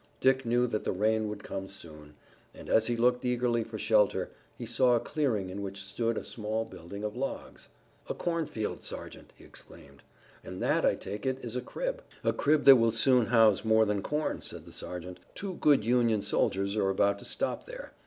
Dick knew that the rain would come soon, and, as he looked eagerly for shelter, he saw a clearing in which stood a small building of logs. "A cornfield, Sergeant," he exclaimed, "and that I take it is a crib." "A crib that will soon house more than corn," said the sergeant. "Two good Union soldiers are about to stop there.